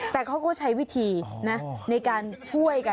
แต่เขาก็ใช้วิธีนะในการช่วยกัน